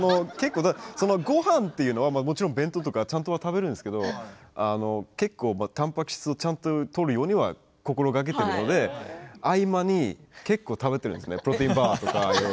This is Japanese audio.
ごはんっていうのはお弁当とかちゃんと食べるんですけれど結構たんぱく質をちゃんととるように心がけているので合間に結構、食べているんですねプロテインバーとか。